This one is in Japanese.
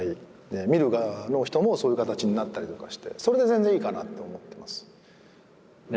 見る側の人もそういう形になったりとかしてそれで全然いいかなと思ってます。